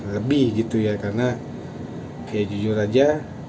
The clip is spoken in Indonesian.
lebih gitu ya karena kayak jujur aja